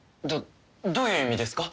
どどういう意味ですか？